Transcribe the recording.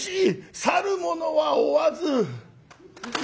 去る者は追わず」。